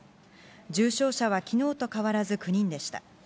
重症者は昨日と変わらず９人でした。